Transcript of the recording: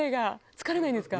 疲れないんですか？